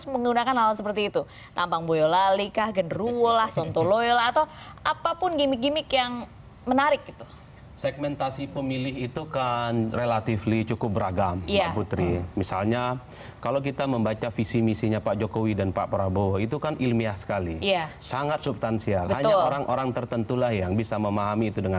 mengedepankan isu ketakutan ketakutan yang